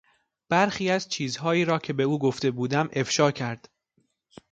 برخی از چیزهایی را که به او گفته بودم افشا کرد.